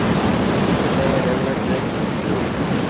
وچ ۾ railway track ٽٽي پيو